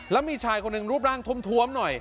แล้วมีชายคนหนึ่งรูปร่างท้วมหน่อย